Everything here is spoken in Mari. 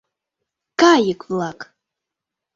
КАЙЫК-ВЛАК